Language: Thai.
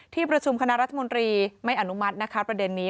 ที่ประชุมคณะรัฐมนตรีไม่อนุมัตินะคะประเด็นนี้